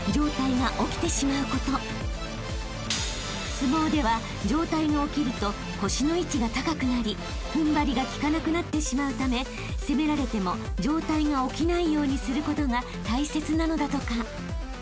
［相撲では上体が起きると腰の位置が高くなり踏ん張りが利かなくなってしまうため攻められても上体が起きないようにすることが大切なのだとか］